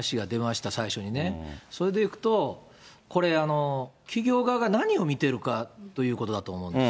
企業の広告の話が出ました、最初にね。それでいくと、これ、企業側が何を見てるかということだと思うんです。